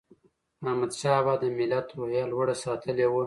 احمدشاه بابا د ملت روحیه لوړه ساتلې وه.